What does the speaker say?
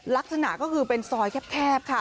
ลักษณะก็คือเป็นซอยแคบค่ะ